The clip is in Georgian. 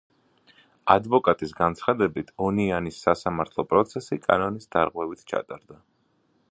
ადვოკატის განცხადებით, ონიანის სასამართლო პროცესი კანონის დარღვევით ჩატარდა.